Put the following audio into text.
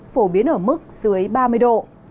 phổ biến ở mức dưới ba mươi độ